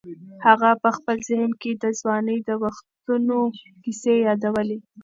هغه په خپل ذهن کې د ځوانۍ د وختونو کیسې یادولې.